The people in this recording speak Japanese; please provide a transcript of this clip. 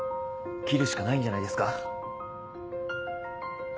切るしかないんじゃないですか。